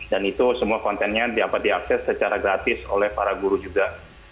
dan itu semua kontennya dapat diakses secara gratis oleh para guru juga